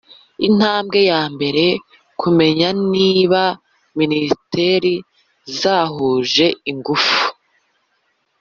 intambwe ya mbere kumenya niba minisiteri zahuje ingufu